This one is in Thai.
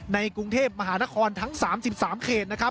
ในกรุงเทพฯมหานครทั้ง๓๓เขต